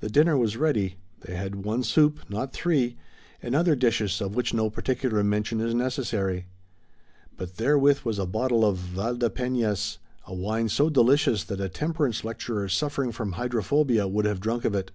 The dinner was ready. They had one soup, not three, and other dishes of which no particular mention is necessary. But therewith was a bottle of Val de Peñas, a wine so delicious that a temperance lecturer suffering from hydrophobia would have drunk of it.